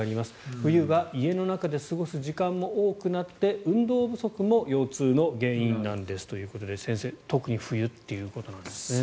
冬は家の中で過ごす時間も多くなって運動不足も腰痛の原因なんですということで先生特に冬ということなんですね。